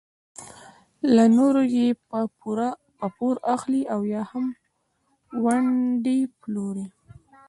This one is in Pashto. له نورو یې په پور اخلي او یا هم ونډې پلوري.